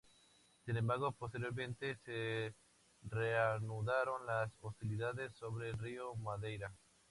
Sin embargo, posteriormente se reanudaron las hostilidades sobre el río Madeira.